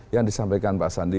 yang disampaikan pak sandi